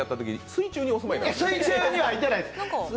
水中にはいってないです！